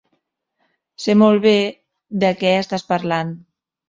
Sé molt bé de què estàs parlant.